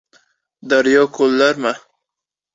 Daryo-ko‘llarmi?